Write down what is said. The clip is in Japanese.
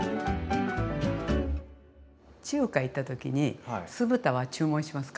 中華行った時に酢豚は注文しますか？